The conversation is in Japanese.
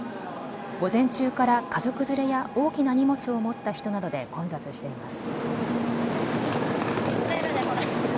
午前中から家族連れや大きな荷物を持った人などで混雑しています。